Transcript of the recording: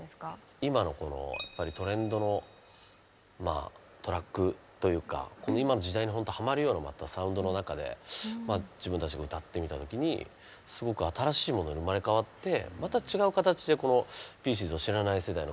今のこのやっぱりトレンドのまあトラックというか今の時代のほんとハマるようなまたサウンドの中でまあ自分たちで歌ってみた時にすごく新しいものに生まれ変わってまた違う形でこの「ＰＩＥＣＥＳ」を知らない世代の方にもまた違う新しい形こう伝わって